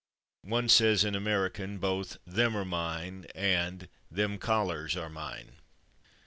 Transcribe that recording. One says, in American, both "/them/ are mine" and "/them/ collars are mine."